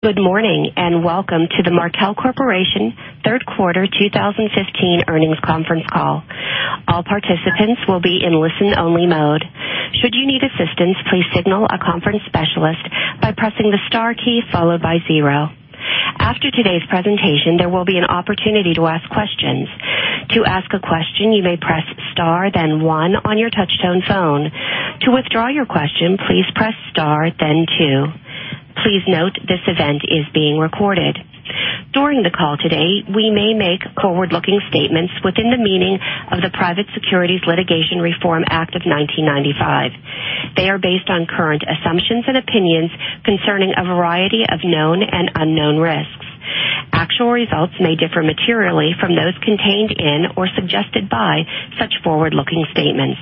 Good morning, and welcome to the Markel Corporation third quarter 2015 earnings conference call. All participants will be in listen-only mode. Should you need assistance, please signal a conference specialist by pressing the star key followed by zero. After today's presentation, there will be an opportunity to ask questions. To ask a question, you may press star then one on your touch tone phone. To withdraw your question, please press star then two. Please note this event is being recorded. During the call today, we may make forward-looking statements within the meaning of the Private Securities Litigation Reform Act of 1995. They are based on current assumptions and opinions concerning a variety of known and unknown risks. Actual results may differ materially from those contained in or suggested by such forward-looking statements.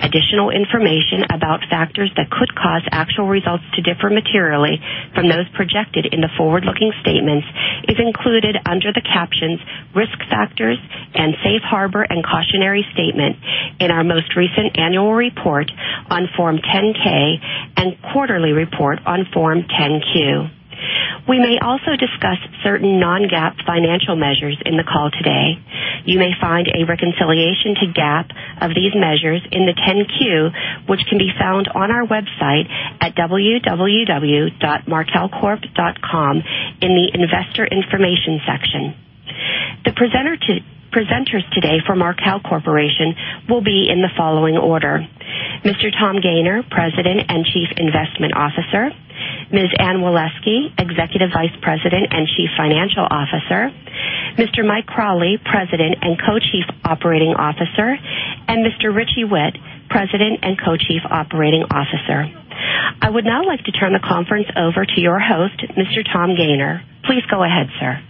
Additional information about factors that could cause actual results to differ materially from those projected in the forward-looking statements is included under the captions "Risk Factors" and "Safe Harbor and Cautionary Statement" in our most recent annual report on Form 10-K and quarterly report on Form 10-Q. We may also discuss certain non-GAAP financial measures in the call today. You may find a reconciliation to GAAP of these measures in the 10-Q, which can be found on our website at www.markelcorp.com in the Investor Information section. The presenters today for Markel Corporation will be in the following order: Mr. Tom Gayner, President and Chief Investment Officer, Ms. Anne Waleski, Executive Vice President and Chief Financial Officer, Mr. Mike Crowley, President and Co-Chief Operating Officer, and Mr. Richie Whitt, President and Co-Chief Operating Officer. I would now like to turn the conference over to your host, Mr. Tom Gayner. Please go ahead, sir.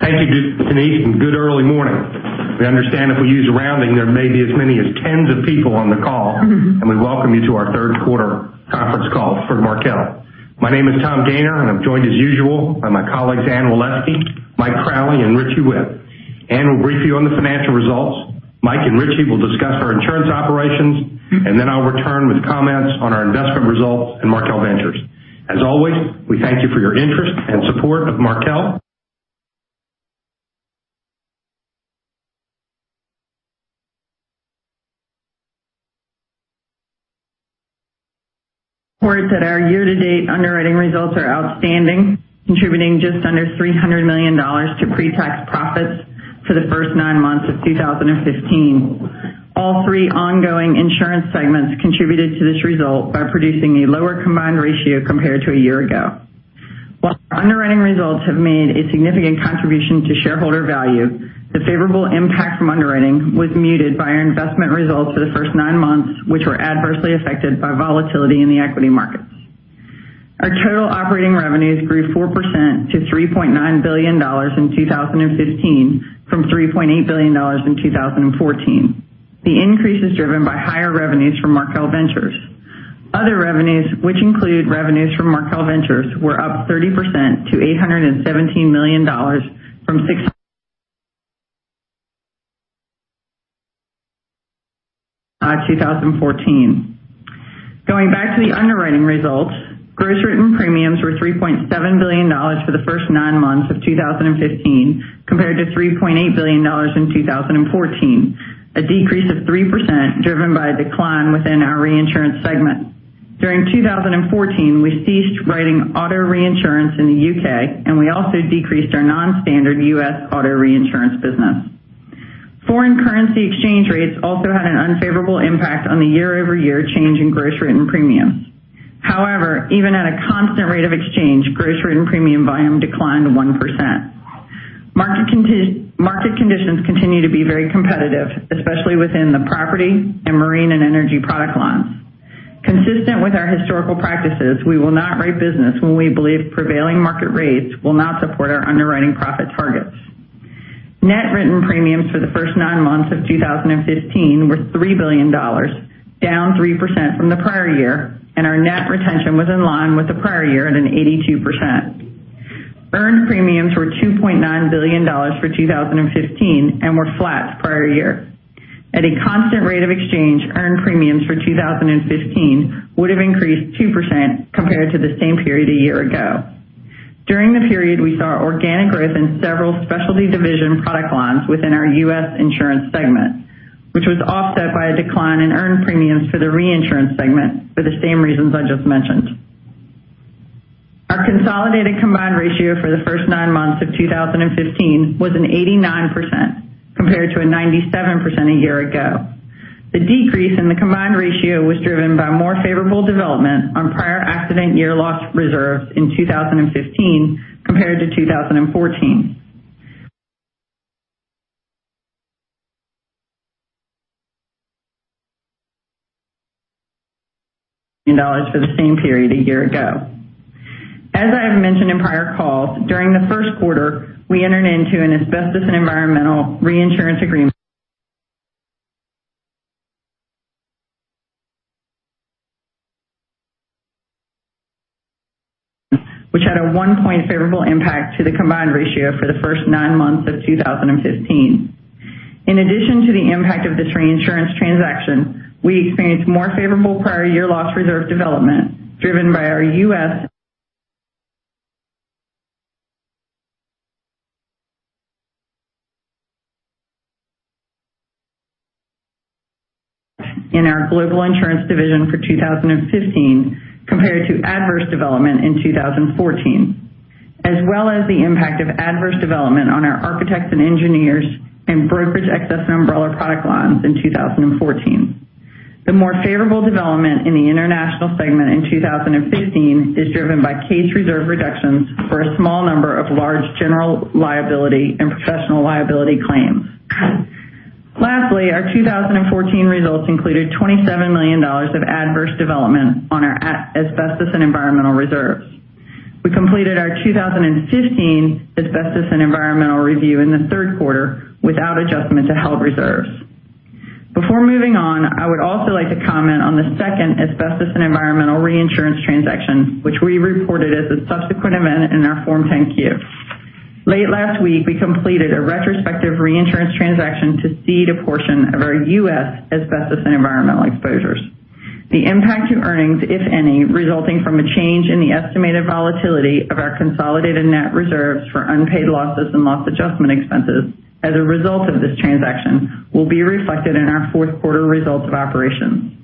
Thank you, Denise, and good early morning. We understand if we use a rounding, there may be as many as tens of people on the call, and we welcome you to our third quarter conference call for Markel. My name is Tom Gayner, and I'm joined, as usual, by my colleagues Anne Waleski, Mike Crowley, and Richie Whitt. Anne will brief you on the financial results. Mike and Richie will discuss our insurance operations, and then I'll return with comments on our investment results in Markel Ventures. As always, we thank you for your interest and support of Markel. Report that our year-to-date underwriting results are outstanding, contributing just under $300 million to pre-tax profits for the first nine months of 2015. All three ongoing insurance segments contributed to this result by producing a lower combined ratio compared to a year ago. While our underwriting results have made a significant contribution to shareholder value, the favorable impact from underwriting was muted by our investment results for the first nine months, which were adversely affected by volatility in the equity markets. Our total operating revenues grew 4% to $3.9 billion in 2015 from $3.8 billion in 2014. The increase is driven by higher revenues from Markel Ventures. Other revenues, which include revenues from Markel Ventures, were up 30% to $817 million from 2014. Going back to the underwriting results, gross written premiums were $3.7 billion for the first nine months of 2015, compared to $3.8 billion in 2014, a decrease of 3% driven by a decline within our reinsurance segment. During 2014, we ceased writing auto reinsurance in the U.K., and we also decreased our non-standard U.S. auto reinsurance business. Foreign currency exchange rates also had an unfavorable impact on the year-over-year change in gross written premiums. However, even at a constant rate of exchange, gross written premium volume declined 1%. Market conditions continue to be very competitive, especially within the property and marine and energy product lines. Consistent with our historical practices, we will not write business when we believe prevailing market rates will not support our underwriting profit targets. Net written premiums for the first nine months of 2015 were $3 billion, down 3% from the prior year, and our net retention was in line with the prior year at an 82%. Earned premiums were $2.9 billion for 2015 and were flat prior year. At a constant rate of exchange, earned premiums for 2015 would have increased 2% compared to the same period a year ago. During the period, we saw organic growth in several specialty division product lines within our U.S. insurance segment, which was offset by a decline in earned premiums for the reinsurance segment for the same reasons I just mentioned. Our consolidated combined ratio for the first nine months of 2015 was an 89% compared to a 97% a year ago. The decrease in the combined ratio was driven by more favorable development on prior accident year loss reserves in 2015 compared to 2014. For the same period a year ago. As I have mentioned in prior calls, during the first quarter, we entered into an asbestos and environmental reinsurance agreement which had a one point favorable impact to the combined ratio for the first nine months of 2015. In addition to the impact of this reinsurance transaction, we experienced more favorable prior year loss reserve development driven by our U.S. in our global insurance division for 2015 compared to adverse development in 2014, as well as the impact of adverse development on our architects and engineers and brokerage excess and umbrella product lines in 2014. The more favorable development in the international segment in 2015 is driven by case reserve reductions for a small number of large general liability and professional liability claims. Lastly, our 2014 results included $27 million of adverse development on our asbestos and environmental reserves. We completed our 2015 asbestos and environmental review in the third quarter without adjustment to held reserves. Before moving on, I would also like to comment on the second asbestos and environmental reinsurance transaction, which we reported as a subsequent event in our Form 10-Q. Late last week, we completed a retrospective reinsurance transaction to cede a portion of our U.S. asbestos and environmental exposures. The impact to earnings, if any, resulting from a change in the estimated volatility of our consolidated net reserves for unpaid losses and loss adjustment expenses as a result of this transaction will be reflected in our fourth quarter results of operations.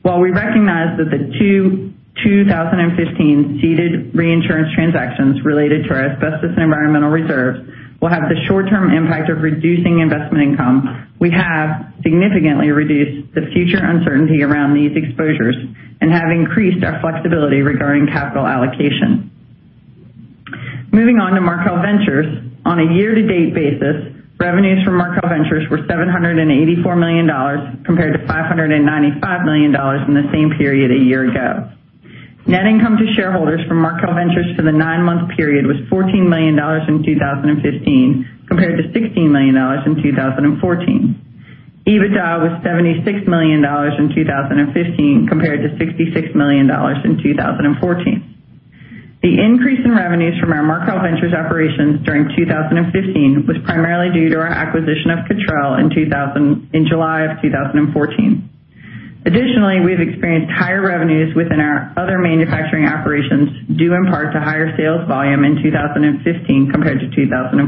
While we recognize that the two 2015 ceded reinsurance transactions related to our asbestos and environmental reserves will have the short-term impact of reducing investment income, we have significantly reduced the future uncertainty around these exposures and have increased our flexibility regarding capital allocation. Moving on to Markel Ventures. On a year-to-date basis, revenues from Markel Ventures were $784 million compared to $595 million in the same period a year ago. Net income to shareholders from Markel Ventures for the nine-month period was $14 million in 2015 compared to $16 million in 2014. EBITDA was $76 million in 2015 compared to $66 million in 2014. The increase in revenues from our Markel Ventures operations during 2015 was primarily due to our acquisition of Cottrell in July of 2014. Additionally, we've experienced higher revenues within our other manufacturing operations, due in part to higher sales volume in 2015 compared to 2014.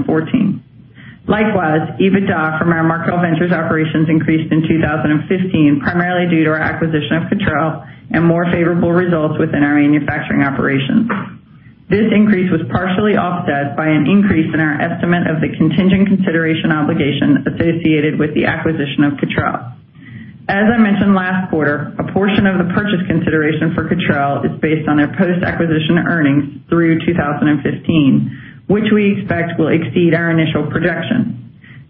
Likewise, EBITDA from our Markel Ventures operations increased in 2015, primarily due to our acquisition of Cottrell and more favorable results within our manufacturing operations. This increase was partially offset by an increase in our estimate of the contingent consideration obligation associated with the acquisition of Cottrell. As I mentioned last quarter, a portion of the purchase consideration for Cottrell is based on their post-acquisition earnings through 2015, which we expect will exceed our initial projection.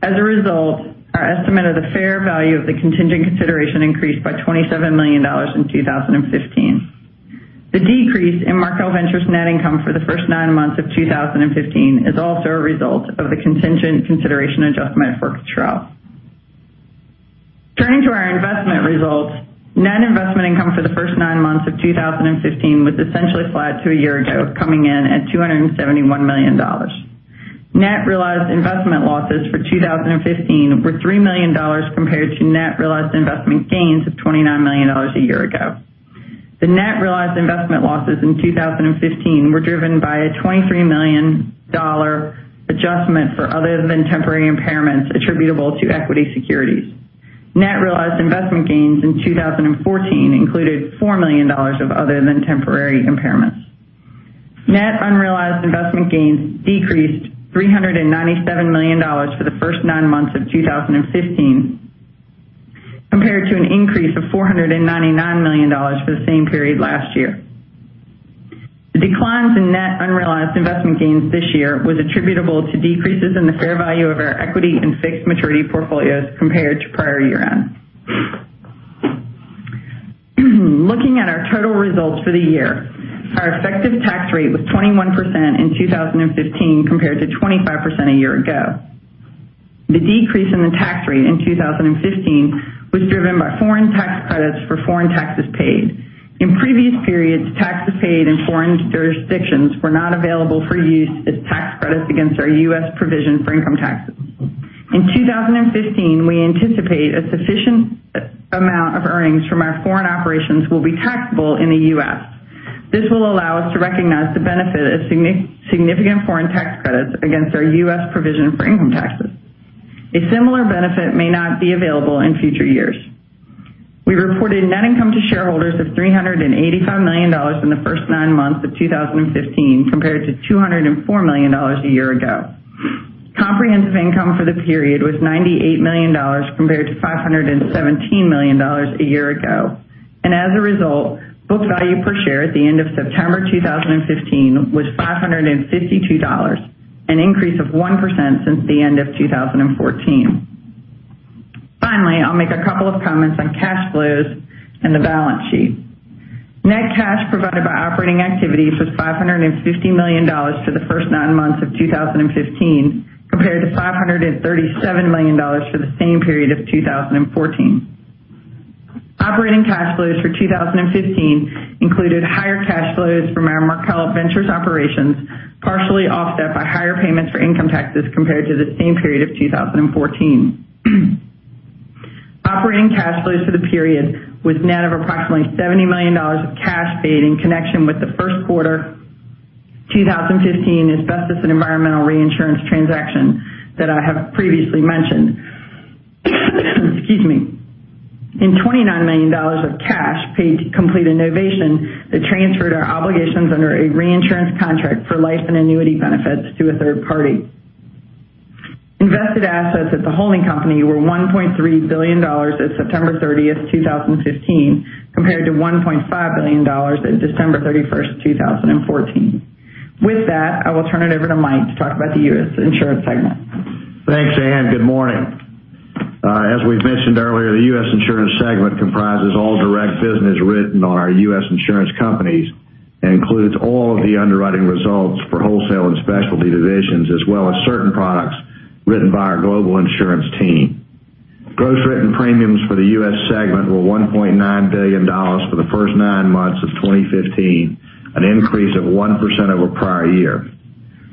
As a result, our estimate of the fair value of the contingent consideration increased by $27 million in 2015. The decrease in Markel Ventures net income for the first nine months of 2015 is also a result of the contingent consideration adjustment for Cottrell. Turning to our investment results. Net investment income for the first nine months of 2015 was essentially flat to a year ago, coming in at $271 million. Net realized investment losses for 2015 were $3 million compared to net realized investment gains of $29 million a year ago. The net realized investment losses in 2015 were driven by a $23 million adjustment for other-than-temporary impairments attributable to equity securities. Net realized investment gains in 2014 included $4 million of other than temporary impairments. Net unrealized investment gains decreased $397 million for the first nine months of 2015 compared to an increase of $499 million for the same period last year. The declines in net unrealized investment gains this year was attributable to decreases in the fair value of our equity and fixed maturity portfolios compared to prior year-end. Looking at our total results for the year, our effective tax rate was 21% in 2015 compared to 25% a year ago. The decrease in the tax rate in 2015 was driven by foreign tax credits for foreign taxes paid. In previous periods, taxes paid in foreign jurisdictions were not available for use as tax credits against our U.S. provision for income taxes. In 2015, we anticipate a sufficient amount of earnings from our foreign operations will be taxable in the U.S. This will allow us to recognize the benefit of significant foreign tax credits against our U.S. provision for income taxes. A similar benefit may not be available in future years. We reported net income to shareholders of $385 million in the first nine months of 2015, compared to $204 million a year ago. Comprehensive income for the period was $98 million compared to $517 million a year ago. As a result, book value per share at the end of September 2015 was $552, an increase of 1% since the end of 2014. Finally, I'll make a couple of comments on cash flows and the balance sheet. Net cash provided by operating activities was $550 million for the first nine months of 2015, compared to $537 million for the same period of 2014. Operating cash flows for 2015 included higher cash flows from our Markel Ventures operations, partially offset by higher payments for income taxes compared to the same period of 2014. Operating cash flows for the period was net of approximately $70 million of cash paid in connection with the first quarter 2015 asbestos and environmental reinsurance transaction that I have previously mentioned. Excuse me. In $29 million of cash paid to complete a novation that transferred our obligations under a reinsurance contract for life and annuity benefits to a third party. Invested assets at the holding company were $1.3 billion at September 30th, 2015, compared to $1.5 billion at December 31st, 2014. With that, I will turn it over to Mike to talk about the U.S. insurance segment. Thanks, Anne. Good morning. As we've mentioned earlier, the U.S. insurance segment comprises all direct business written on our U.S. insurance companies and includes all of the underwriting results for wholesale and specialty divisions, as well as certain products written by our global insurance team. Gross written premiums for the U.S. segment were $1.9 billion for the first nine months of 2015, an increase of 1% over prior year.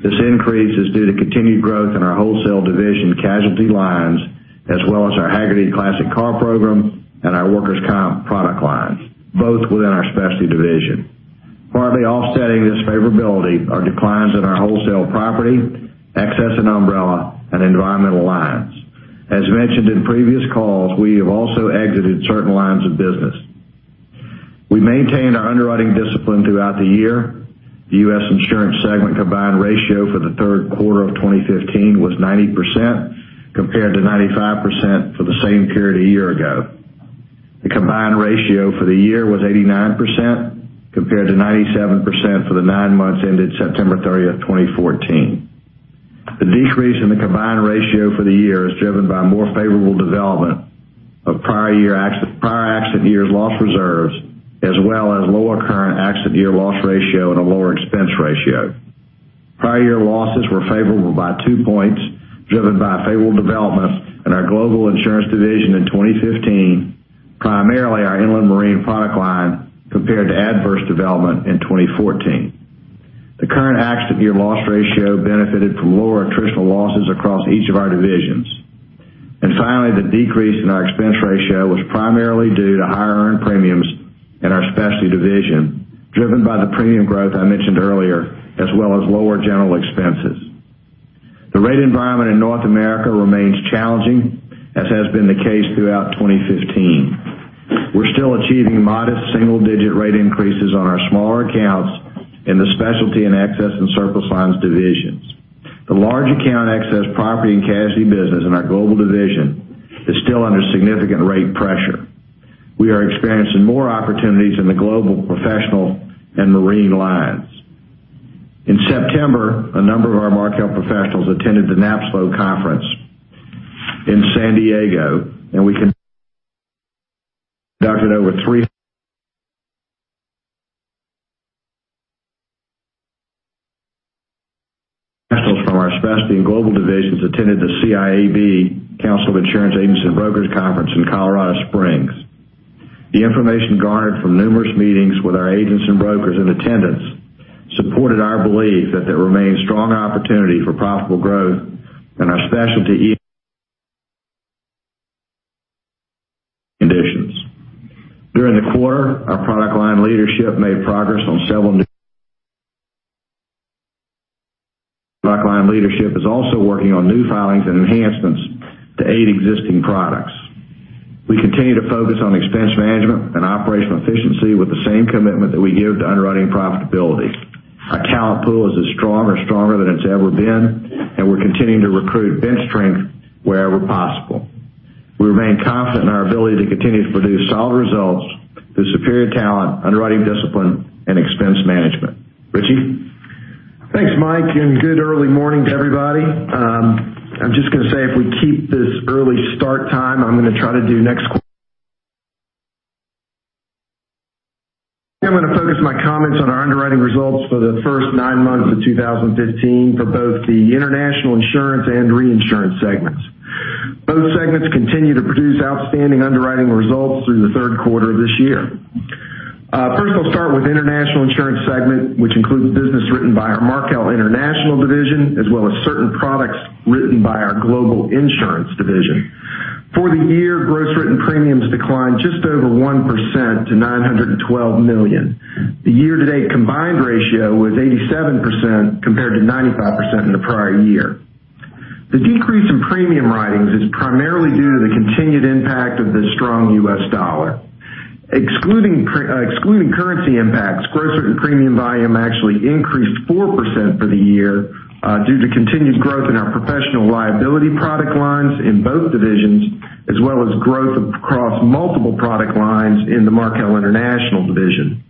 This increase is due to continued growth in our wholesale division casualty lines, as well as our Hagerty Classic Car program and our workers' comp product lines, both within our specialty division. Partly offsetting this favorability are declines in our wholesale property, excess and umbrella, and environmental lines. As mentioned in previous calls, we have also exited certain lines of business. We maintained our underwriting discipline throughout the year. The U.S. insurance segment combined ratio for the third quarter of 2015 was 90%, compared to 95% for the same period a year ago. The combined ratio for the year was 89%, compared to 97% for the nine months ended September 30th, 2014. The decrease in the combined ratio for the year is driven by more favorable development of prior accident years' loss reserves, as well as lower current accident year loss ratio and a lower expense ratio. Prior year losses were favorable by two points, driven by favorable developments in our global insurance division in 2015, primarily our inland marine product line, compared to adverse development in 2014. The current accident year loss ratio benefited from lower attritional losses across each of our divisions. Finally, the decrease in our expense ratio was primarily due to higher earned premiums in our specialty division, driven by the premium growth I mentioned earlier, as well as lower general expenses. The rate environment in North America remains challenging, as has been the case throughout 2015. We're still achieving modest single-digit rate increases on our smaller accounts in the specialty and excess and surplus lines divisions. The large account excess property and casualty business in our global division is still under significant rate pressure. We are experiencing more opportunities in the global professional and marine lines. In September, a number of our Markel professionals attended the NAPSLO conference in San Diego, and we conducted over three from our specialty and global divisions attended the CIAB, The Council of Insurance Agents & Brokers Conference in Colorado Springs. The information garnered from numerous meetings with our agents and brokers in attendance supported our belief that there remains strong opportunity for profitable growth in our specialty divisions. During the quarter, our product line leadership made progress on several new product line leadership is also working on new filings and enhancements to aid existing products. We continue to focus on expense management and operational efficiency with the same commitment that we give to underwriting profitability. Our talent pool is as strong or stronger than it's ever been, and we're continuing to recruit bench strength wherever possible. We remain confident in our ability to continue to produce solid results through superior talent, underwriting discipline, and expense management. Richie? Thanks, Mike, and good early morning to everybody. I'm just going to say if we keep this early start time, I'm going to focus my comments on our underwriting results for the first nine months of 2015 for both the international insurance and reinsurance segments. Both segments continue to produce outstanding underwriting results through the third quarter of this year. First, I'll start with international insurance segment, which includes business written by our Markel International division, as well as certain products written by our global insurance division. For the year, gross written premiums declined just over 1% to $912 million. The year-to-date combined ratio was 87% compared to 95% in the prior year. The decrease in premium writings is primarily due to the continued impact of the strong U.S. dollar. Excluding currency impacts, gross written premium volume actually increased 4% for the year due to continued growth in our professional liability product lines in both divisions, as well as growth across multiple product lines in the Markel International division.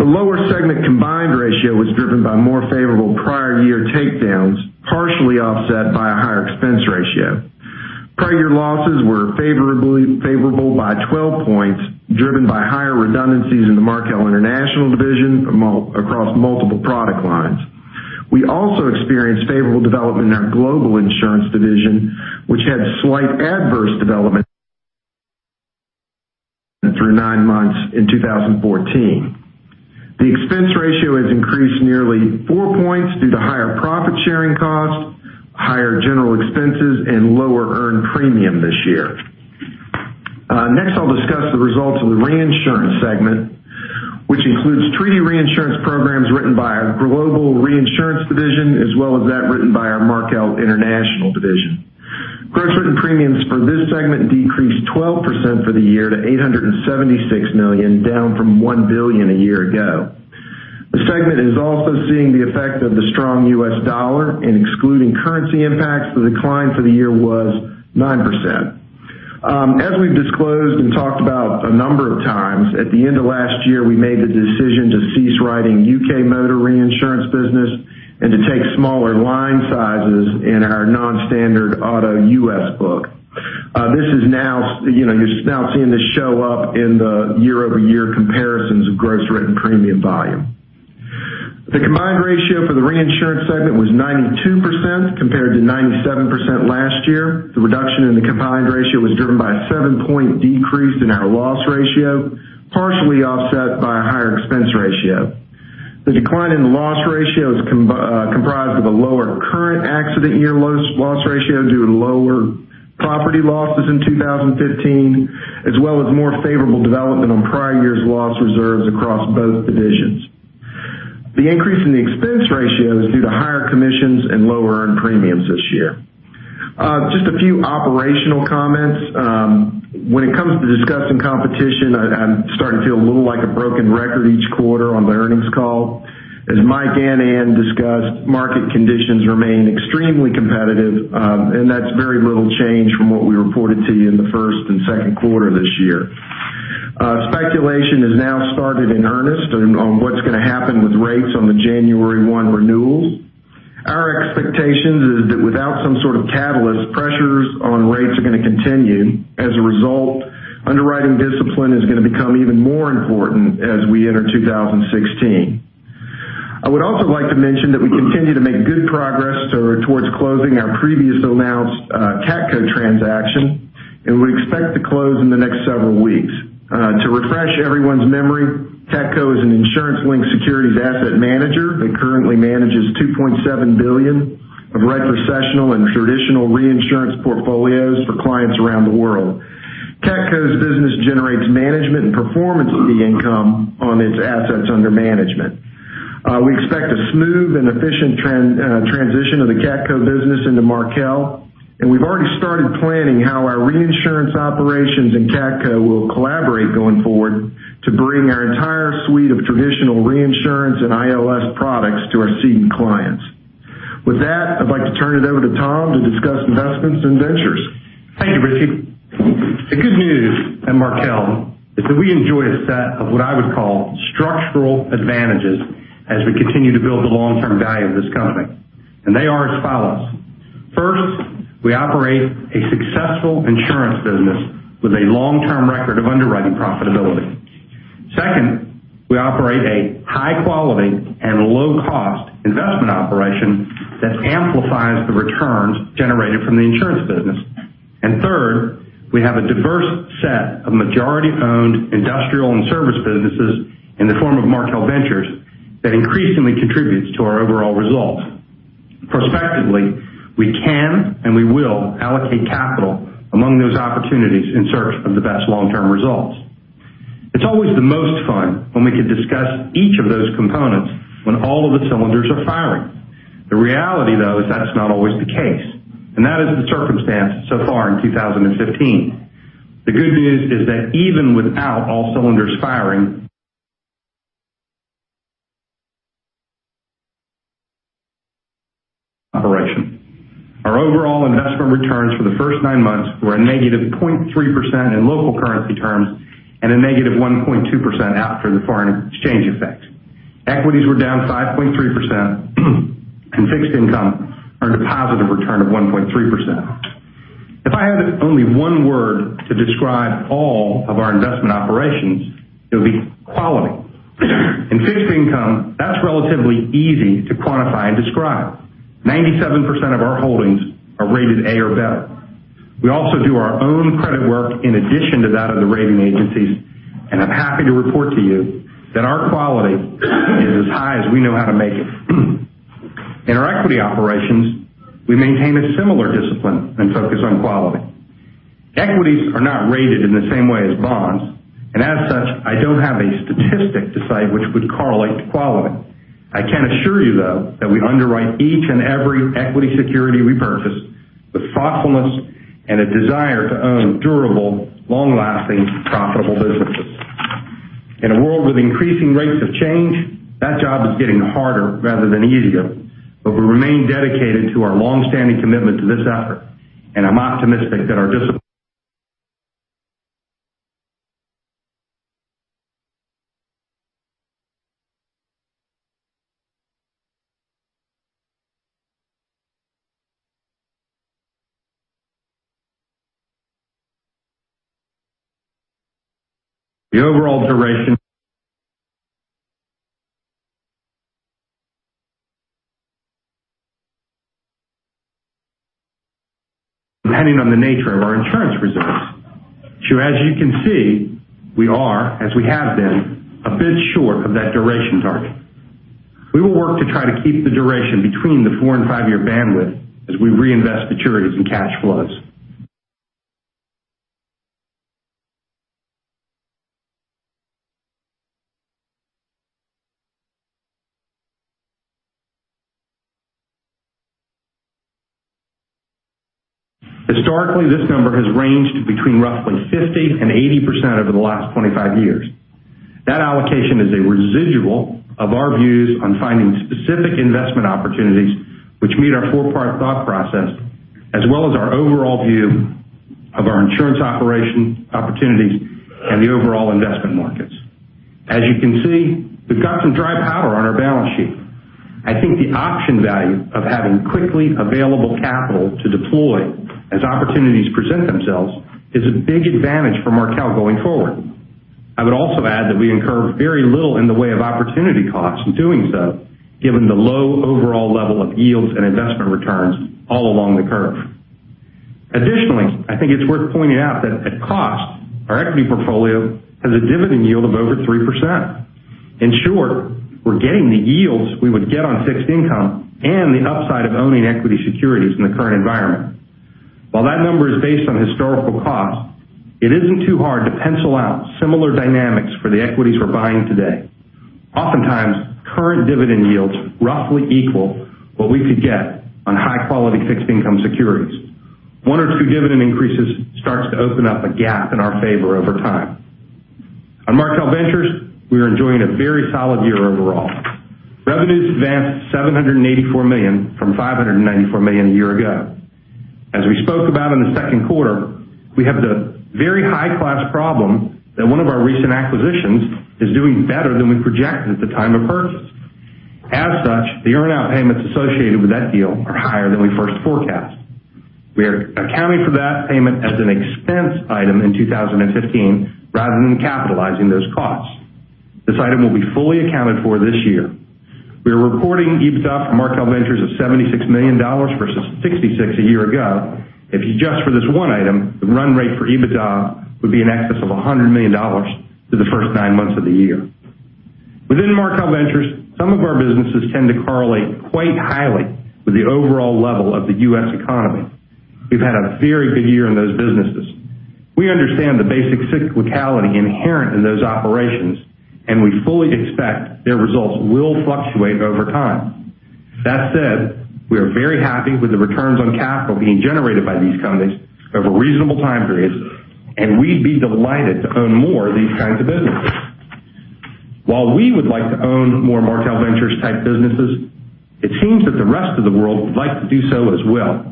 The lower segment combined ratio was driven by more favorable prior year takedowns, partially offset by a higher expense ratio. Prior year losses were favorable by 12 points, driven by higher redundancies in the Markel International division across multiple product lines. We also experienced favorable development in our global insurance division, which had slight adverse development through nine months in 2014. The expense ratio has increased nearly four points due to higher profit-sharing costs, higher general expenses, and lower earned premium this year. Next, I'll discuss the results of the reinsurance segment, which includes treaty reinsurance programs written by our global reinsurance division, as well as that written by our Markel International division. Gross written premiums for this segment decreased 12% for the year to $876 million, down from $1 billion a year ago. The segment is also seeing the effect of the strong U.S. dollar. In excluding currency impacts, the decline for the year was 9%. As we've disclosed and talked about a number of times, at the end of last year, we made the decision to cease writing U.K. motor reinsurance business and to take smaller line sizes in our non-standard auto U.S. book. You're now seeing this show up in the year-over-year comparisons of gross written premium volume. The combined ratio for the reinsurance segment was 92% compared to 97% last year. The reduction in the combined ratio was driven by a seven-point decrease in our loss ratio, partially offset by a higher expense ratio. The decline in the loss ratio is comprised of a lower current accident year loss ratio due to lower property losses in 2015, as well as more favorable development on prior years' loss reserves across both divisions. The increase in the expense ratio is due to higher commissions and lower earned premiums this year. Just a few operational comments. When it comes to discussing competition, I'm starting to feel a little like a broken record each quarter on the earnings call. As Mike and Anne discussed, market conditions remain extremely competitive, and that's very little change from what we reported to you in the first and second quarter this year. Speculation has now started in earnest on what's going to happen with rates on the January 1 renewals. Our expectation is that without some sort of catalyst, pressures on rates are going to continue. As a result, underwriting discipline is going to become even more important as we enter 2016. I would also like to mention that we continue to make good progress towards closing our previously announced CATCo transaction, and we expect to close in the next several weeks. To refresh everyone's memory, CATCo is an insurance-linked securities asset manager that currently manages $2.7 billion of retrocessional and traditional reinsurance portfolios for clients around the world. CATCo's business generates management and performance fee income on its assets under management. We expect a smooth and efficient transition of the CATCo business into Markel, and we've already started planning how our reinsurance operations and CATCo will collaborate going forward to bring our entire suite of traditional reinsurance and ILS products to our ceded clients. With that, I'd like to turn it over to Tom to discuss investments and ventures. Thank you, Richie. The good news at Markel is that we enjoy a set of what I would call structural advantages as we continue to build the long-term value of this company, and they are as follows. First, we operate a successful insurance business with a long-term record of underwriting profitability. Second, we operate a high-quality and low-cost investment operation that amplifies the returns generated from the insurance business. Third, we have a diverse set of majority-owned industrial and service businesses in the form of Markel Ventures that increasingly contributes to our overall results. Prospectively, we can and we will allocate capital among those opportunities in search of the best long-term results. It's always the most fun when we can discuss each of those components when all of the cylinders are firing. The reality, though, is that's not always the case, and that is the circumstance so far in 2015. The good news is that even without all cylinders firing, our overall investment returns for the first nine months were a negative 0.3% in local currency terms and a negative 1.2% after the foreign exchange effects. Equities were down 5.3%, and fixed income earned a positive return of 1.3%. If I had only one word to describe all of our investment operations, it would be quality. In fixed income, that's relatively easy to quantify and describe. 97% of our holdings are rated A or better. We also do our own credit work in addition to that of the rating agencies, and I'm happy to report to you that our quality is as high as we know how to make it. In our equity operations, we maintain a similar discipline and focus on quality. Equities are not rated in the same way as bonds, and as such, I don't have a statistic to cite which would correlate to quality. I can assure you, though, that we underwrite each and every equity security we purchase with thoughtfulness and a desire to own durable, long-lasting, profitable businesses. In a world with increasing rates of change, that job is getting harder rather than easier. We remain dedicated to our longstanding commitment to this effort, and I'm optimistic that our discipline The overall duration depending on the nature of our insurance reserves. As you can see, we are, as we have been, a bit short of that duration target. We will work to try to keep the duration between the four and five-year bandwidth as we reinvest maturities and cash flows. Historically, this number has ranged between roughly 50% and 80% over the last 25 years. That allocation is a residual of our views on finding specific investment opportunities which meet our four-part thought process, as well as our overall view of our insurance operation opportunities and the overall investment markets. As you can see, we've got some dry powder on our balance sheet. I think the option value of having quickly available capital to deploy as opportunities present themselves is a big advantage for Markel going forward. I would also add that we incur very little in the way of opportunity costs in doing so, given the low overall level of yields and investment returns all along the curve. Additionally, I think it's worth pointing out that at cost, our equity portfolio has a dividend yield of over 3%. In short, we're getting the yields we would get on fixed income and the upside of owning equity securities in the current environment. While that number is based on historical cost, it isn't too hard to pencil out similar dynamics for the equities we're buying today. Oftentimes, current dividend yields roughly equal what we could get on high-quality fixed income securities. One or two dividend increases starts to open up a gap in our favor over time. On Markel Ventures, we are enjoying a very solid year overall. Revenues advanced $784 million from $594 million a year ago. As we spoke about in the second quarter, we have the very high-class problem that one of our recent acquisitions is doing better than we projected at the time of purchase. As such, the earn-out payments associated with that deal are higher than we first forecast. We are accounting for that payment as an expense item in 2015 rather than capitalizing those costs. This item will be fully accounted for this year. We are reporting EBITDA from Markel Ventures of $76 million versus $66 million a year ago. If you adjust for this one item, the run rate for EBITDA would be in excess of $100 million through the first nine months of the year. Within Markel Ventures, some of our businesses tend to correlate quite highly with the overall level of the U.S. economy. We've had a very good year in those businesses. We understand the basic cyclicality inherent in those operations, and we fully expect their results will fluctuate over time. That said, we are very happy with the returns on capital being generated by these companies over reasonable time periods, and we'd be delighted to own more of these kinds of businesses. While we would like to own more Markel Ventures type businesses, it seems that the rest of the world would like to do so as well.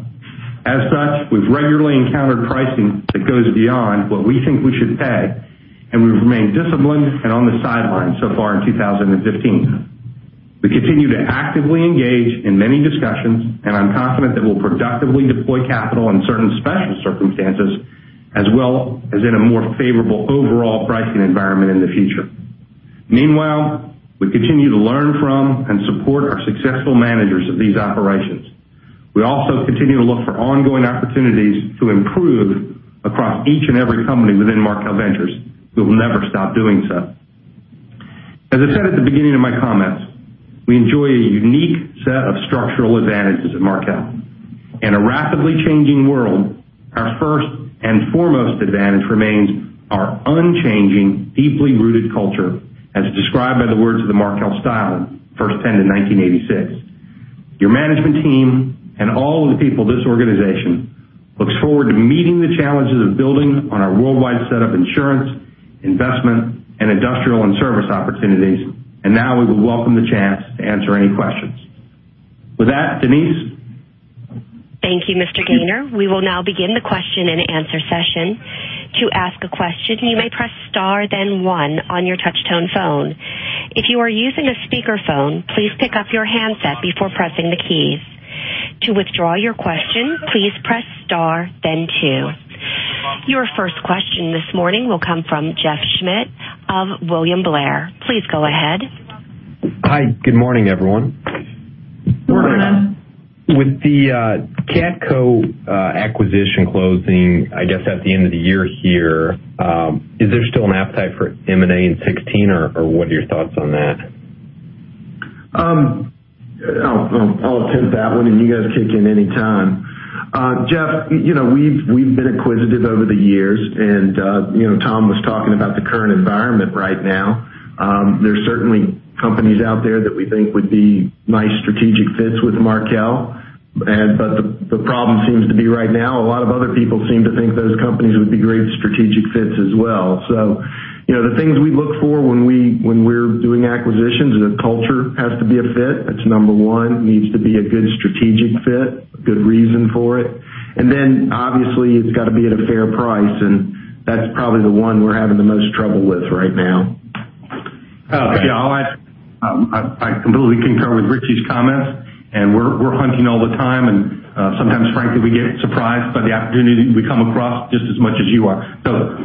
As such, we've regularly encountered pricing that goes beyond what we think we should pay, and we've remained disciplined and on the sidelines so far in 2015. We continue to actively engage in many discussions, and I'm confident that we'll productively deploy capital in certain special circumstances as well as in a more favorable overall pricing environment in the future. Meanwhile, we continue to learn from and support our successful managers of these operations. We also continue to look for ongoing opportunities to improve across each and every company within Markel Ventures. We will never stop doing so. As I said at the beginning of my comments, we enjoy a unique set of structural advantages at Markel. In a rapidly changing world, our first and foremost advantage remains our unchanging, deeply rooted culture, as described by the words of The Markel Style, first penned in 1986. Your management team and all of the people of this organization looks forward to meeting the challenges of building on our worldwide set of insurance, investment, and industrial and service opportunities, and now we would welcome the chance to answer any questions. With that, Denise? Thank you, Mr. Gayner. We will now begin the question and answer session. To ask a question, you may press star then one on your touch-tone phone. If you are using a speakerphone, please pick up your handset before pressing the keys. To withdraw your question, please press star then two. Your first question this morning will come from Jeff Schmitt of William Blair. Please go ahead. Hi. Good morning, everyone. Morning. With the CATCo acquisition closing, I guess, at the end of the year here, is there still an appetite for M&A in 2016, or what are your thoughts on that? I'll attempt that one, and you guys kick in any time. Jeff, we've been acquisitive over the years, Tom was talking about the current environment right now. The problem seems to be right now, a lot of other people seem to think those companies would be great strategic fits as well. The things we look for when we're doing acquisitions is the culture has to be a fit. That's number one. Needs to be a good strategic fit, a good reason for it. Obviously it's got to be at a fair price, and that's probably the one we're having the most trouble with right now. Oh, yeah. I completely concur with Richie's comments, and we're hunting all the time, and sometimes, frankly, we get surprised by the opportunity we come across just as much as you are.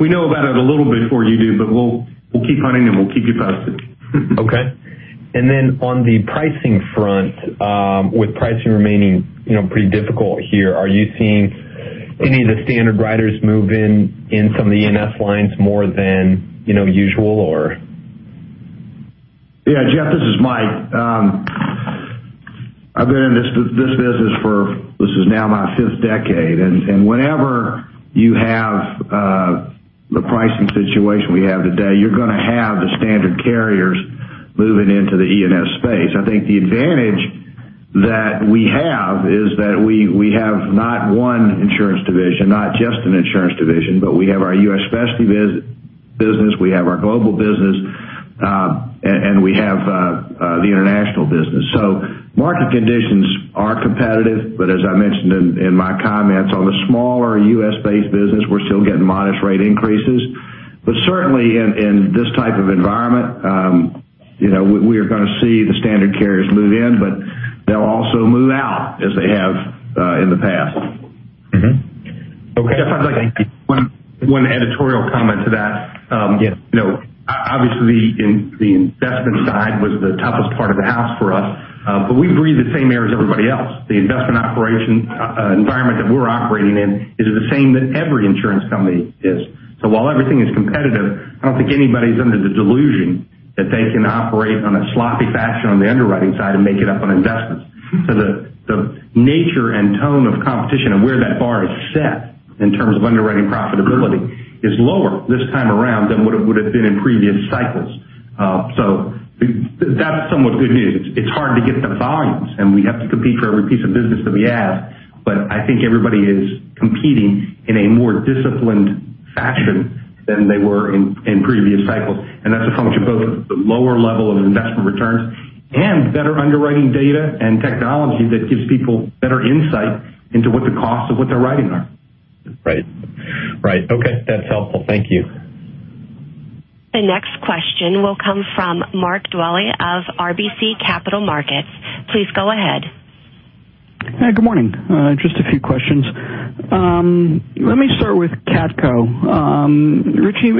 We know about it a little before you do, but we'll keep hunting, and we'll keep you posted. Okay. On the pricing front, with pricing remaining pretty difficult here, are you seeing any of the standard writers move in some of the E&S lines more than usual or? Yeah, Jeff, this is Mike. I've been in this business for, this is now my fifth decade, and whenever you have the pricing situation we have today, you're going to have the standard carriers moving into the E&S space. I think the advantage that we have is that we have not one insurance division, not just an insurance division, but we have our U.S. specialty business, we have our global business, and we have the international business. Market conditions are competitive, but as I mentioned in my comments on the smaller U.S.-based business, we're still getting modest rate increases. Certainly in this type of environment, we are going to see the standard carriers move in, but they'll also move out as they have in the past. Mm-hmm. Okay. Thank you. Jeff, I'd like to add one editorial comment to that. Yes. Obviously, the investment side was the toughest part of the house for us, but we breathe the same air as everybody else. The investment operation environment that we're operating in is the same that every insurance company is. While everything is competitive, I don't think anybody's under the delusion that they can operate in a sloppy fashion on the underwriting side and make it up on investments. The nature and tone of competition and where that bar is set in terms of underwriting profitability is lower this time around than what it would've been in previous cycles. That's somewhat good news. It's hard to get the volumes, and we have to compete for every piece of business that we have, but I think everybody is competing in a more disciplined fashion than they were in previous cycles, and that's a function both of the lower level of investment returns and better underwriting data and technology that gives people better insight into what the costs of what they're writing are. Right. Okay. That's helpful. Thank you. The next question will come from Mark Dwelle of RBC Capital Markets. Please go ahead. Hi. Good morning. Just a few questions. Let me start with CATCo. Richie,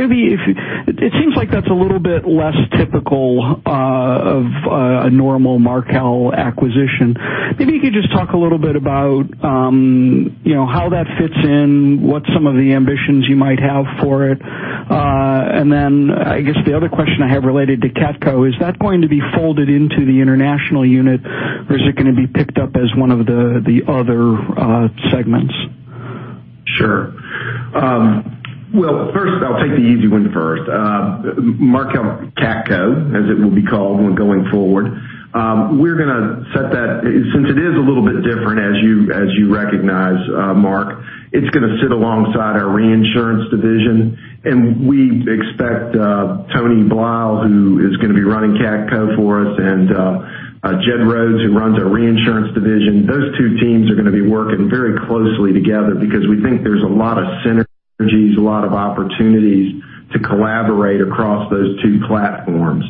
it seems like that's a little bit less typical of a normal Markel acquisition. Maybe you could just talk a little bit about how that fits in, what some of the ambitions you might have for it. Then, I guess the other question I have related to CATCo, is that going to be folded into the international unit, or is it going to be picked up as one of the other segments? Sure. Well, first, I'll take the easy one first. Markel CATCo, as it will be called when going forward. We're going to set that, since it is a little bit different as you recognize, Mark, it's going to sit alongside our reinsurance division. We expect Tony Belisle, who is going to be running CATCo for us, and Jed Rhoads, who runs our reinsurance division, those two teams are going to be working very closely together because we think there's a lot of synergies, a lot of opportunities to collaborate across those two platforms.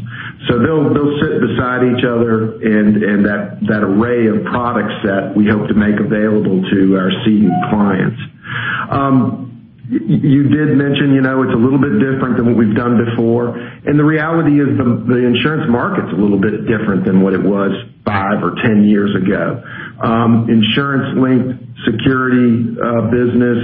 They'll sit beside each other and that array of product set we hope to make available to our seated clients. You did mention it's a little bit different than what we've done before. The reality is the insurance market's a little bit different than what it was 5 or 10 years ago. Insurance-linked security business,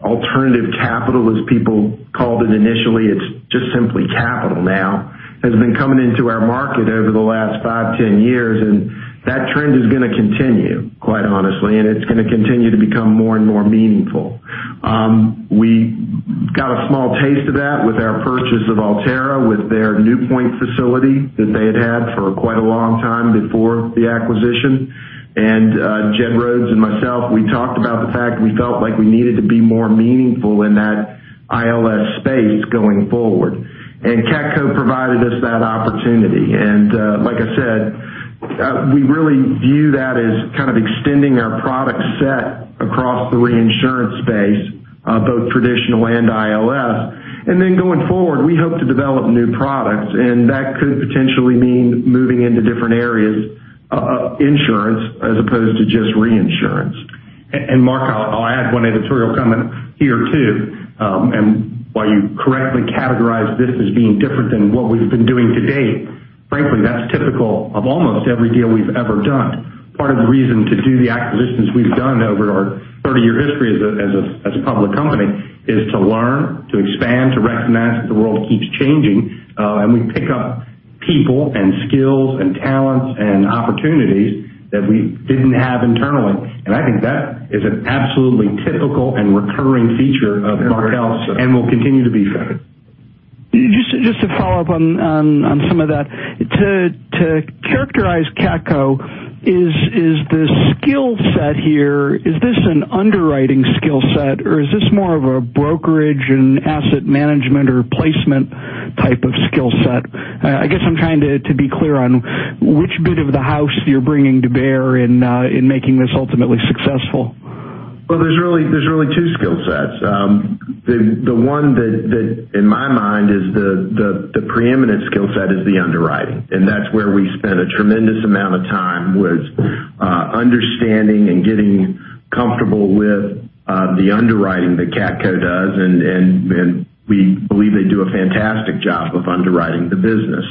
alternative capital, as people called it initially, it's just simply capital now, has been coming into our market over the last 5, 10 years, and that trend is going to continue, quite honestly, and it's going to continue to become more and more meaningful. We got a small taste of that with our purchase of Alterra, with their NewPoint facility that they had had for quite a long time before the acquisition. Jed Rhoads and myself, we talked about the fact we felt like we needed to be more meaningful in that ILS space going forward. CATCo provided us that opportunity. Like I said, we really view that as kind of extending our product set across the reinsurance space, both traditional and ILS. Then going forward, we hope to develop new products, and that could potentially mean moving into different areas of insurance as opposed to just reinsurance. Mark Dwelle, I'll add one editorial comment here, too. While you correctly categorized this as being different than what we've been doing to date, frankly, that's typical of almost every deal we've ever done. Part of the reason to do the acquisitions we've done over our 30-year history as a public company is to learn, to expand, to recognize that the world keeps changing. We pick up people and skills and talents and opportunities that we didn't have internally. I think that is an absolutely typical and recurring feature of Markel. Will continue to be so. will continue to be so. Just to follow up on some of that. To characterize CATCo, is the skill set here, is this an underwriting skill set, or is this more of a brokerage and asset management or placement type of skill set? I guess I'm trying to be clear on which bit of the house you're bringing to bear in making this ultimately successful. There's really two skill sets. The one that in my mind is the preeminent skill set is the underwriting, and that's where we spent a tremendous amount of time was understanding and getting comfortable with the underwriting that CATCo does. We believe they do a fantastic job of underwriting the business.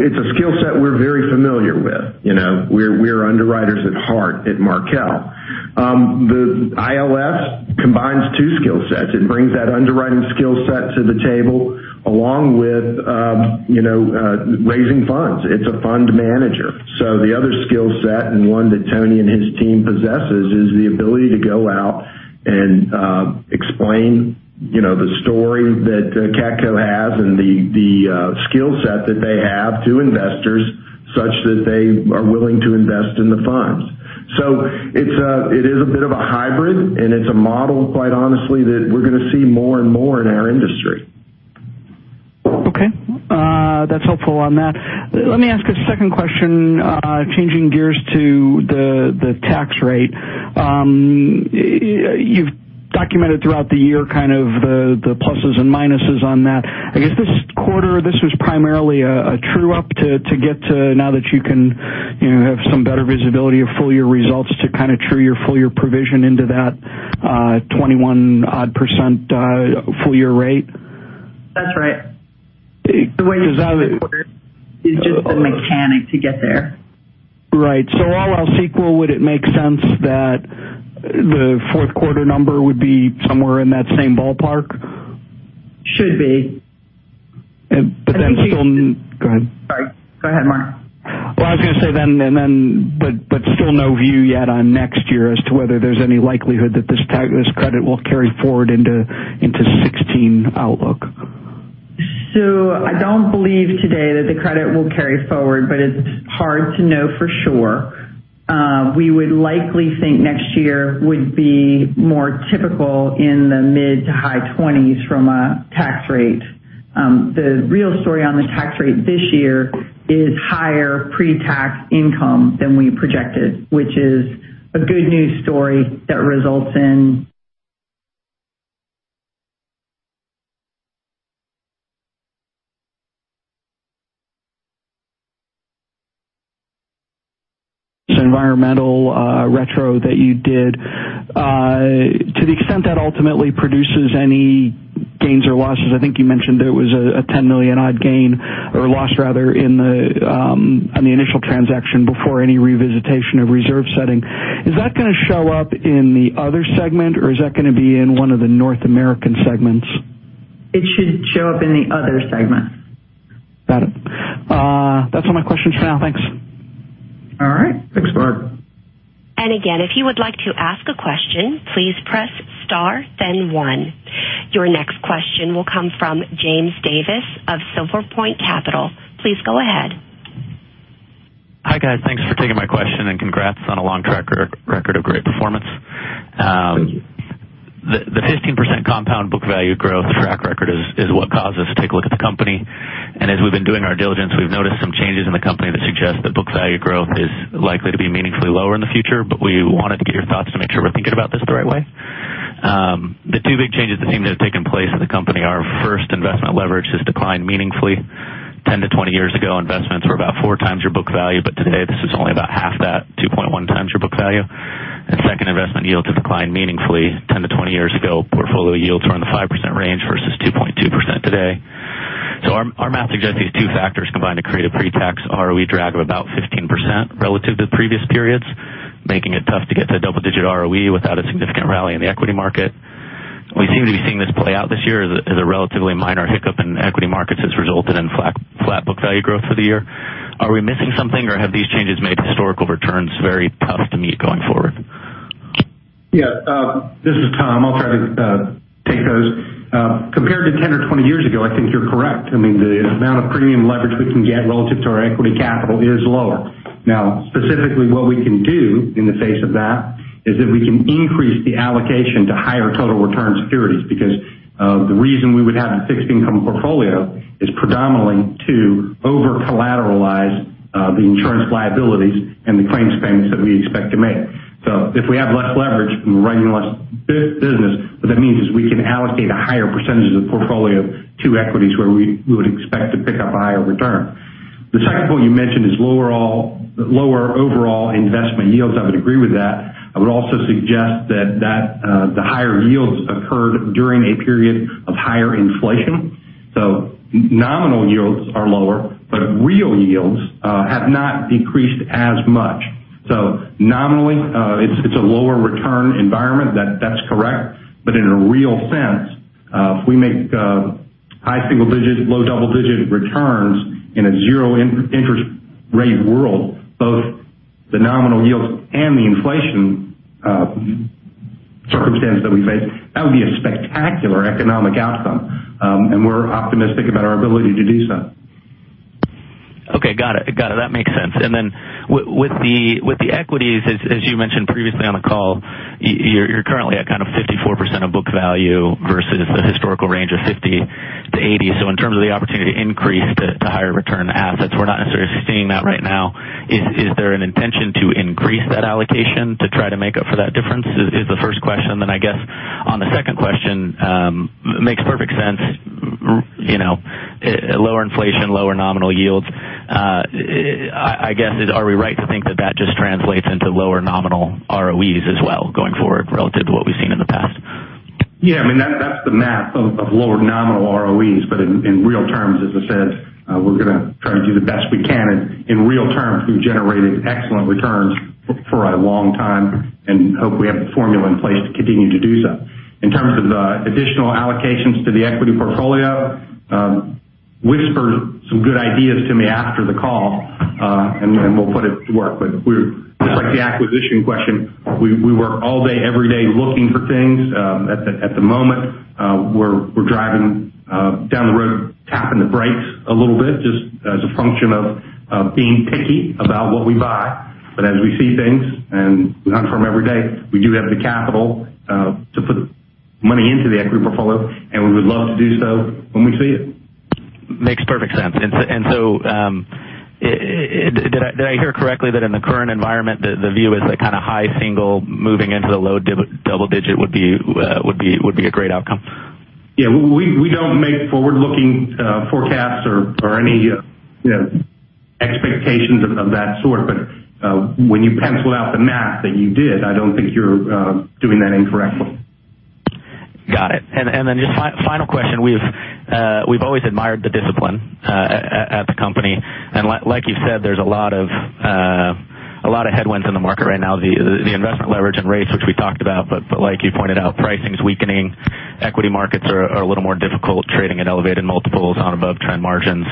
It's a skill set we're very familiar with. We're underwriters at heart at Markel. The ILS combines two skill sets. It brings that underwriting skill set to the table along with raising funds. It's a fund manager. The other skill set, and one that Tony and his team possesses, is the ability to go out and explain the story that CATCo has and the skill set that they have to investors, such that they are willing to invest in the funds. It is a bit of a hybrid, and it's a model, quite honestly, that we're going to see more and more in our industry. Okay. That's helpful on that. Let me ask a second question, changing gears to the tax rate. You've documented throughout the year the pluses and minuses on that. I guess this quarter, this was primarily a true-up to get to now that you can have some better visibility of full-year results to true your full-year provision into that 21-odd% full-year rate. That's right. I would- The way you do it quarter is just the mechanic to get there. Right. All else equal, would it make sense that the fourth quarter number would be somewhere in that same ballpark? Should be. Still. Go ahead. Sorry, go ahead, Mark. I was going to say then, but still no view yet on next year as to whether there's any likelihood that this credit will carry forward into 2016 outlook. I don't believe today that the credit will carry forward, but it's hard to know for sure. We would likely think next year would be more typical in the mid to high 20s from a tax rate. The real story on the tax rate this year is higher pre-tax income than we projected, which is a good news story that results. Some environmental retro that you did. To the extent that ultimately produces any gains or losses, I think you mentioned it was a $10 million odd gain or loss rather on the initial transaction before any revisitation of reserve setting. Is that going to show up in the other segment or is that going to be in one of the North American segments? It should show up in the other segment. Got it. That's all my questions for now. Thanks. All right. Thanks, Mark. Again, if you would like to ask a question, please press star, then one. Your next question will come from James Davis of Silver Point Capital. Please go ahead. Hi, guys. Thanks for taking my question, and congrats on a long track record of great performance. Thank you. The 15% compound book value growth track record is what caused us to take a look at the company. As we've been doing our diligence, we've noticed some changes in the company that suggest that book value growth is likely to be meaningfully lower in the future. We wanted to get your thoughts to make sure we're thinking about this the right way. The two big changes that seem to have taken place in the company are, first, investment leverage has declined meaningfully. 10 to 20 years ago, investments were about 4 times your book value. Today this is only about half that, 2.1 times your book value. Second, investment yields have declined meaningfully. 10 to 20 years ago, portfolio yields were in the 5% range versus 2.2% today. Our math suggests these two factors combined to create a pre-tax ROE drag of about 15% relative to previous periods, making it tough to get to double-digit ROE without a significant rally in the equity market. We seem to be seeing this play out this year as a relatively minor hiccup in equity markets has resulted in flat book value growth for the year. Are we missing something or have these changes made historical returns very tough to meet going forward? This is Tom. I'll try to take those. Compared to 10 or 20 years ago, I think you're correct. The amount of premium leverage we can get relative to our equity capital is lower. Specifically what we can do in the face of that is that we can increase the allocation to higher total return securities because the reason we would have a fixed income portfolio is predominantly to over-collateralize the insurance liabilities and the claims payments that we expect to make. If we have less leverage and we're writing less business, what that means is we can allocate a higher percentage of the portfolio to equities where we would expect to pick up a higher return. The second point you mentioned is lower overall investment yields. I would agree with that. I would also suggest that the higher yields occurred during a period of higher inflation. Nominal yields are lower, but real yields have not decreased as much. Nominally, it's a lower return environment, that's correct, but in a real sense, if we make high single-digit, low double-digit returns in a zero interest rate world, both the nominal yields and the inflation circumstance that we face, that would be a spectacular economic outcome, and we're optimistic about our ability to do so. Okay, got it. That makes sense. With the equities, as you mentioned previously on the call, you're currently at kind 54% of book value versus the historical range of 50%-80%. In terms of the opportunity to increase to higher return assets, we're not necessarily seeing that right now. Is there an intention to increase that allocation to try to make up for that difference? Is the first question. On the second question, makes perfect sense, lower inflation, lower nominal yields. I guess, are we right to think that that just translates into lower nominal ROEs as well going forward relative to what we've seen in the past? That's the math of lower nominal ROEs. In real terms, as I said, we're going to try to do the best we can in real terms. We've generated excellent returns for a long time, and hope we have the formula in place to continue to do so. In terms of the additional allocations to the equity portfolio, whisper some good ideas to me after the call, and then we'll put it to work. Just like the acquisition question, we work all day, every day, looking for things. At the moment, we're driving down the road, tapping the brakes a little bit, just as a function of being picky about what we buy. As we see things, and we hunt for them every day, we do have the capital to put money into the equity portfolio, and we would love to do so when we see it. Makes perfect sense. Did I hear correctly that in the current environment, the view is that kind of high single-digit moving into the low double-digit would be a great outcome? Yeah, we don't make forward-looking forecasts or any expectations of that sort. When you pencil out the math that you did, I don't think you're doing that incorrectly. Got it. Then just final question. We've always admired the discipline at the company. Like you said, there's a lot of headwinds in the market right now. The investment leverage and rates, which we talked about, but like you pointed out, pricing's weakening, equity markets are a little more difficult, trading at elevated multiples on above-trend margins.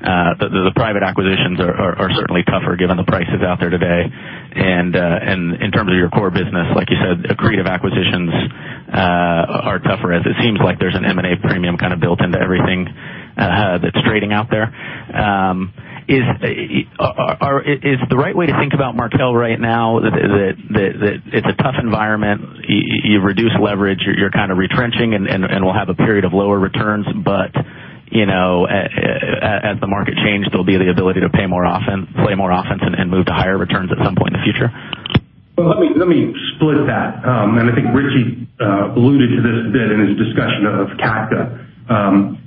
The private acquisitions are certainly tougher given the prices out there today. In terms of your core business, like you said, accretive acquisitions are tougher as it seems like there's a M&A premium kind of built into everything that's trading out there. Is the right way to think about Markel right now that it's a tough environment, you've reduced leverage, you're kind of retrenching, and we'll have a period of lower returns, but as the market changes, there'll be the ability to play more offense and move to higher returns at some point in the future? Well, let me split that. I think Richie alluded to this a bit in his discussion of CATCo.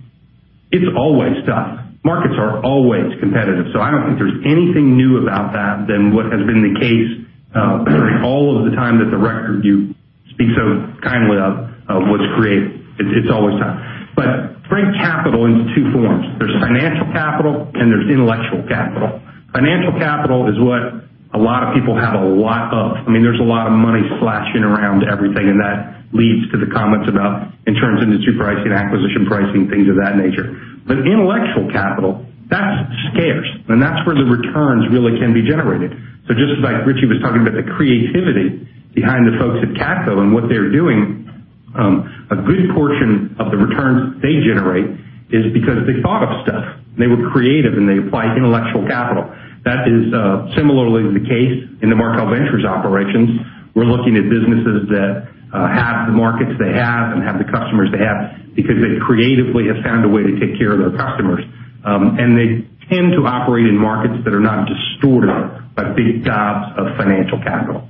It's always tough. Markets are always competitive, so I don't think there's anything new about that than what has been the case during all of the time that the record you speak so kindly of was created. It's always tough. Frame capital into two forms. There's financial capital and there's intellectual capital. Financial capital is what a lot of people have a lot of. There's a lot of money slashing around everything, and that leads to the comments about insurance industry pricing, acquisition pricing, things of that nature. Intellectual capital, that's scarce, and that's where the returns really can be generated. Just like Richie was talking about the creativity behind the folks at CATCo and what they are doing, a good portion of the returns they generate is because they thought of stuff. They were creative, and they applied intellectual capital. That is similarly the case in the Markel Ventures operations. We are looking at businesses that have the markets they have and have the customers they have because they creatively have found a way to take care of their customers. They tend to operate in markets that are not distorted by big gobs of financial capital.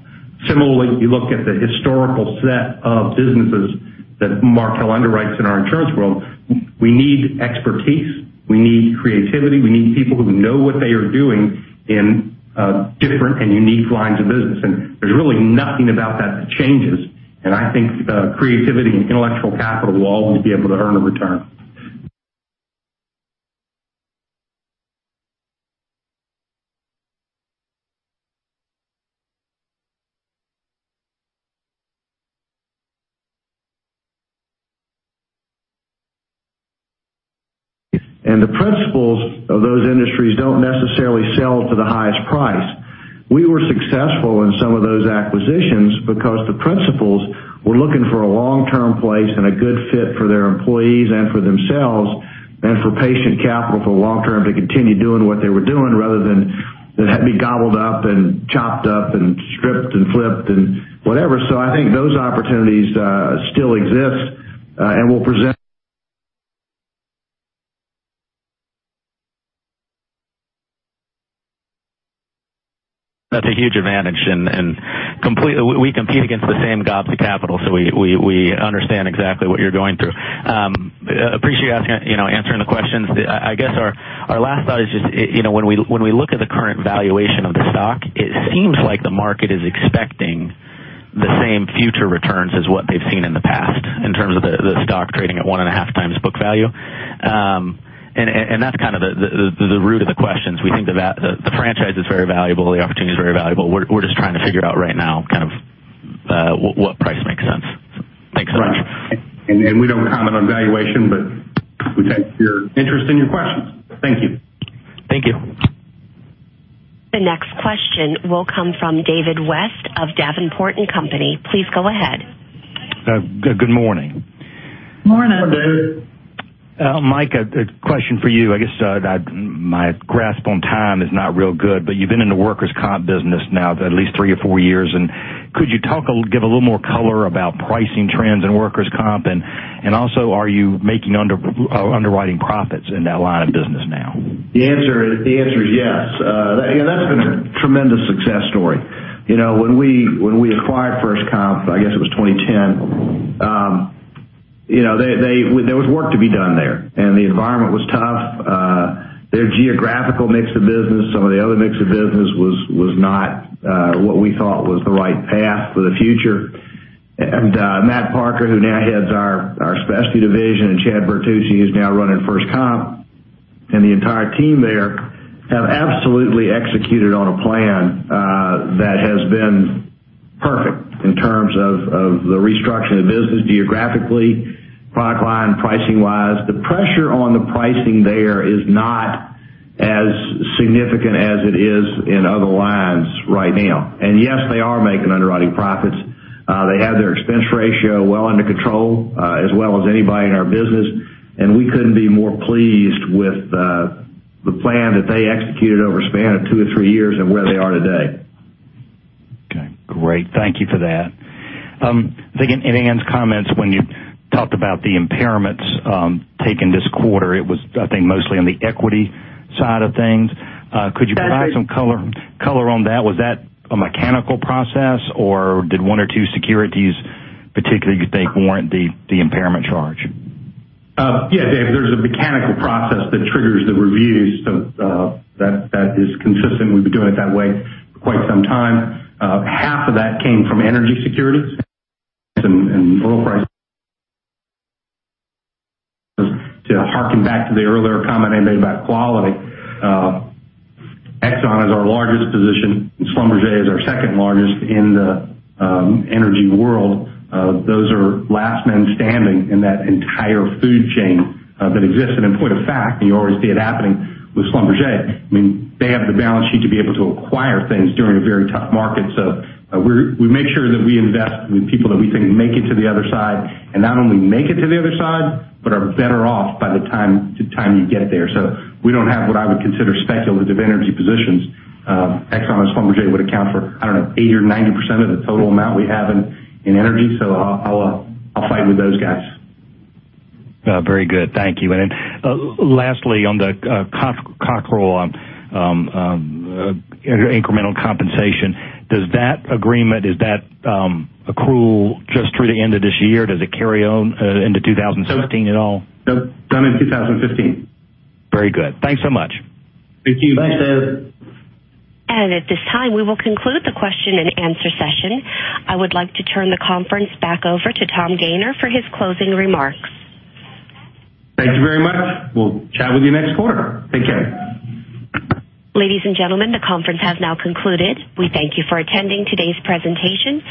Similarly, you look at the historical set of businesses that Markel underwrites in our insurance world. We need expertise. We need creativity. We need people who know what they are doing in different and unique lines of business. There is really nothing about that that changes. I think creativity and intellectual capital will always be able to earn a return. The principals of those industries do not necessarily sell for the highest price. We were successful in some of those acquisitions because the principals were looking for a long-term place and a good fit for their employees and for themselves, and for patient capital for the long term to continue doing what they were doing, rather than be gobbled up and chopped up and stripped and flipped and whatever. I think those opportunities still exist, and will present- That's a huge advantage, and we compete against the same gobs of capital, so we understand exactly what you are going through. Appreciate you answering the questions. I guess our last thought is just when we look at the current valuation of the stock, it seems like the market is expecting the same future returns as what they have seen in the past in terms of the stock trading at 1.5 times book value. That's kind of the root of the questions. We think the franchise is very valuable, the opportunity is very valuable. We are just trying to figure out right now kind of what price makes sense. Thank you so much. Right. We do not comment on valuation, but we thank your interest and your questions. Thank you. Thank you. The next question will come from David West of Davenport & Company. Please go ahead. Good morning. Morning, Dave. Mike, a question for you. I guess my grasp on time is not real good, but you've been in the workers' comp business now at least three or four years. Could you give a little more color about pricing trends in workers' comp? Are you making underwriting profits in that line of business now? The answer is yes. That's been a tremendous success story. When we acquired FirstComp, I guess it was 2010, there was work to be done there. The environment was tough. Their geographical mix of business, some of the other mix of business was not what we thought was the right path for the future. Matt Parker, who now heads our specialty division, Chad Bertucci, who's now running FirstComp, and the entire team there have absolutely executed on a plan that has been perfect in terms of the restructure of the business geographically, product line, pricing-wise. The pressure on the pricing there is not as significant as it is in other lines right now. Yes, they are making underwriting profits. They have their expense ratio well under control as well as anybody in our business. We couldn't be more pleased with the plan that they executed over a span of two or three years and where they are today. Okay, great. Thank you for that. I think in Anne's comments, when you talked about the impairments taken this quarter, it was, I think, mostly on the equity side of things. Could you provide some color on that? Was that a mechanical process, or did one or two securities particularly, you think, warrant the impairment charge? Yeah, Dave, there's a mechanical process that triggers the reviews, so that is consistent. We've been doing it that way for quite some time. Half of that came from energy securities and oil prices. To harken back to the earlier comment I made about quality, Exxon is our largest position, and Schlumberger is our second largest in the energy world. Those are last men standing in that entire food chain that exists. In point of fact, and you already see it happening with Schlumberger, they have the balance sheet to be able to acquire things during a very tough market. We make sure that we invest with people that we think make it to the other side, and not only make it to the other side, but are better off by the time you get there. We don't have what I would consider speculative energy positions. Exxon and Schlumberger would account for, I don't know, 80% or 90% of the total amount we have in energy, so I'll fight with those guys. Very good. Thank you. Then lastly, on the Cottrell incremental compensation, does that agreement, does that accrual just through the end of this year? Does it carry on into 2016 at all? Nope. Done in 2015. Very good. Thanks so much. Thank you. Bye, Dave. At this time, we will conclude the question and answer session. I would like to turn the conference back over to Thomas Gayner for his closing remarks. Thank you very much. We'll chat with you next quarter. Take care. Ladies and gentlemen, the conference has now concluded. We thank you for attending today's presentation.